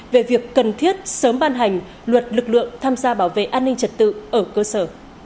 về việc cần thiết sớm ban hành luật lực lượng tham gia bảo vệ an ninh trật tự ở cơ sở